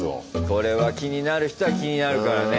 これは気になる人は気になるからね。